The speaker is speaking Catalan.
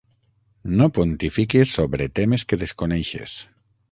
No pontifiquis sobre temes que desconeixes.